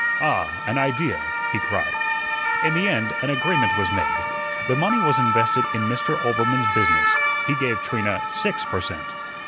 "Ah, an idea," he cried. In the end an agreement was made. The money was invested in Mr. Oelbermann's business. He gave Trina six per cent.